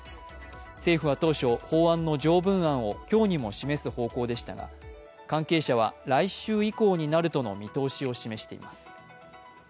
政府は当初、法案の条文案を今日にも示す方向でしたが、関係者は来週以降になるとの見通しを示しています。